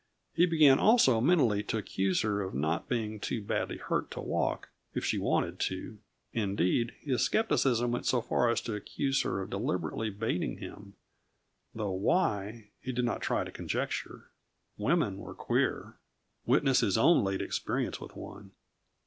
He began also mentally to accuse her of not being too badly hurt to walk, if she wanted to; indeed, his skepticism went so far as to accuse her of deliberately baiting him though why, he did not try to conjecture. Women were queer. Witness his own late experience with one.